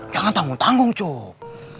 jangan tanggung tanggung cup